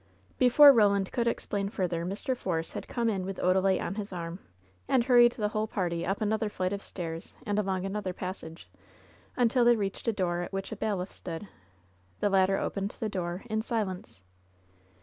Before Roland could explain further, Mr. Force had come in with Odalite on his arm, and hurried the whole party up another flight of stairs and along another pas sage, imtil they reached a door at which a bailiff stood. The latter opened the door, in silence.